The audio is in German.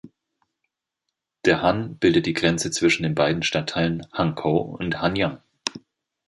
Der Han bildet die Grenze zwischen den beiden Stadtteilen Hankou und Hanyang.